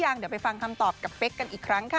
ยังเดี๋ยวไปฟังคำตอบกับเป๊กกันอีกครั้งค่ะ